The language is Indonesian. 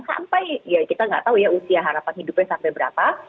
sampai ya kita nggak tahu ya usia harapan hidupnya sampai berapa